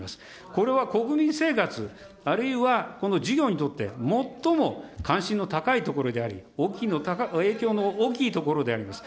これは国民生活、あるいはこの事業にとって最も関心の高いところであり、影響の大きいところであります。